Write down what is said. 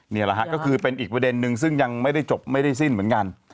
นี่แหละฮะก็คือเป็นอีกประเด็นนึงซึ่งยังไม่ได้จบไม่ได้สิ้นเหมือนกัน